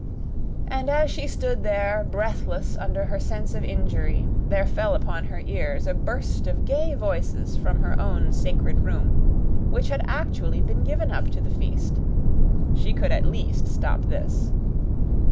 And as she stood there breathless under her sense of injury, there fell upon her ears a burst of gay voices from her own sacred room, which had actually been given up to the feast. She could at least stop this.